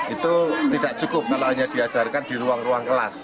itu tidak cukup kalau hanya diajarkan di ruang ruang kelas